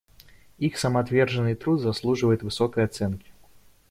Их самоотверженный труд заслуживает высокой оценки.